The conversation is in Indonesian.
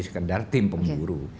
sekedar tim pemburu